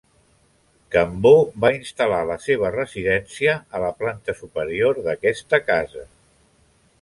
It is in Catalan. Cambó va instal·lar la seva residència a la planta superior d'aquesta casa.